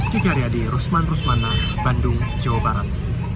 jika ada di rusman rusmana bandung jawa barat